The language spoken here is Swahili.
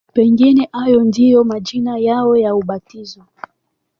Pengine hayo ndiyo majina yao ya ubatizo.